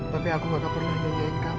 tapi aku nggak pernah nyanyiin kamu